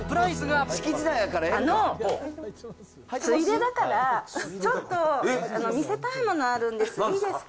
あの、ついでだから、ちょっと見せたいものあるんです、いいですか？